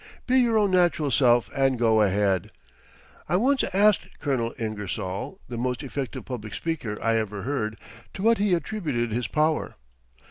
Be your own natural self and go ahead. I once asked Colonel Ingersoll, the most effective public speaker I ever heard, to what he attributed his power.